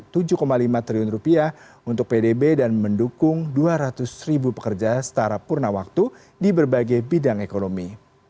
rp tujuh lima triliun untuk pdb dan mendukung dua ratus ribu pekerja setara purna waktu di berbagai bidang ekonomi